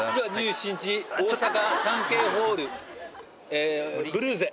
大阪サンケイホールブリーゼ。